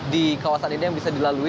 di kawasan ini yang bisa dilalui